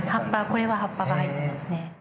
これは葉っぱが入ってますね。